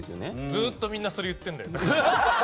ずっとみんなそれを言ってるんだよ。